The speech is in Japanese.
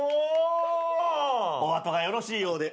お後がよろしいようで。